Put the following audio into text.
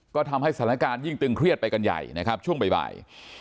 ก็ทำให้สถานการณ์ยิ่งตึงเครียดไปกันใหญ่นะครับช่วงบ่าย